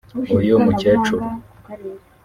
“Uyu mukecuru”